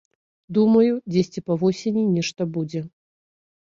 Думаю, дзесьці па восені нешта будзе.